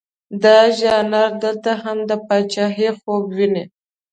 دا ژانر دلته هم د پاچهي خوب ویني.